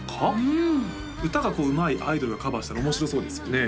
うん歌がうまいアイドルがカバーしたら面白そうですよね